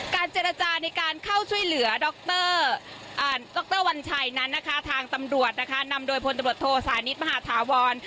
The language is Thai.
การเจรจาในการเข้าช่วยเหลือดรวัญชายนั้นนะคะทางตำรวจนะคะนำโดยพโทสานิทมหาธาวร์ณ์